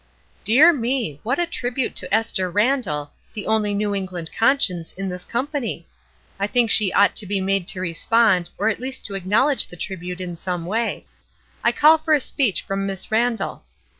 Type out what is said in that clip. "Dear me! what a tribute to Esther Randall, the only New England conscience in this com pany. I think she ought to be made to respond, or at least to acknowledge the tribute in some way. I call for a speech from Miss Randall."